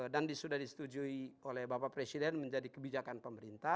dan sudah disetujui oleh bapak presiden menjadi kebijakan pemerintah